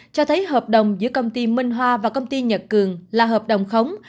cho thấy hợp đồng giữa công ty minh hoa và công ty nhật cường là hợp đồng khống